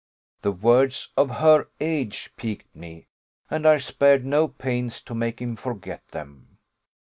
The words, of her age, piqued me; and I spared no pains to make him forget them.